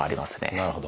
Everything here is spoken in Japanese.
なるほど。